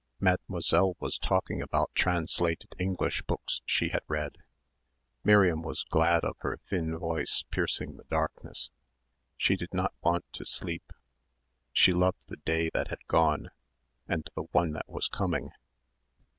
Mademoiselle was talking about translated English books she had read. Miriam was glad of her thin voice piercing the darkness she did not want to sleep. She loved the day that had gone; and the one that was coming.